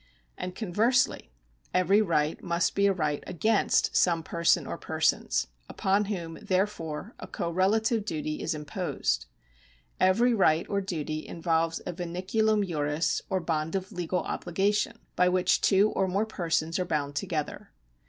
And conversely every right must be a right against some person or persons, upon whom, therefore, a correlative duty is imposed. Every right or duty involves a vinculum juris or bond of legal obligation, by which two or more persons are bound together.